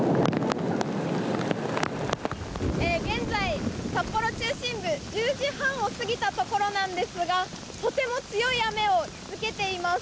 現在、札幌中心部１０時半を過ぎたところなんですがとても強い雨が打ち付けています。